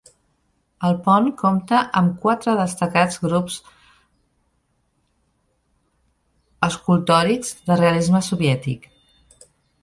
El pont compta amb quatre destacats grups escultòrics del realisme soviètic.